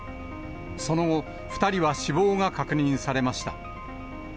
その後、２人は死亡が確認されました。